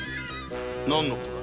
何の事だ？